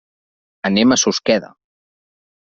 Anem a Susqueda.